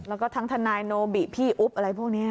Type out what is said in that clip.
แล้วก็ทั้งทนายโนบิพี่อุ๊บอะไรพวกนี้